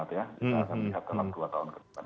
kita akan lihat dalam dua tahun ke depan